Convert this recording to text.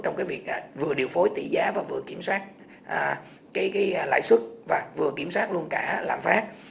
trong cái việc vừa điều phối tỷ giá và vừa kiểm soát cái lãi suất và vừa kiểm soát luôn cả lạm phát